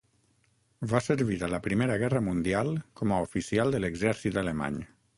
Va servir a la Primera Guerra Mundial com a oficial de l'exèrcit alemany.